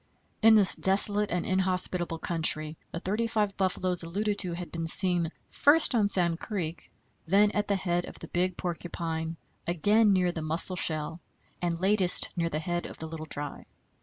In this desolate and inhospitable country the thirty five buffaloes alluded to had been seen, first on Sand Creek, then at the head of the Big Porcupine, again near the Musselshell, and latest near the head of the Little Dry.